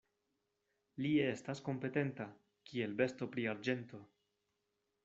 Li estas kompetenta, kiel besto pri arĝento.